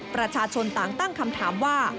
ประชาชนต่างตั้งคำถามว่า